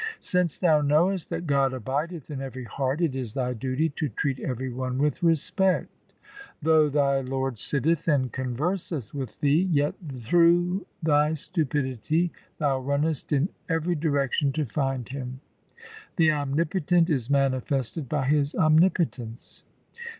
Since thou knowest that God abideth in every heart, It is thy duty to treat every one with respect. Though thy Lord sitteth and converseth with thee, Yet through thy stupidity thou runnest in every direction to find Him. 1 The Omnipotent is manifested by His omnipotence.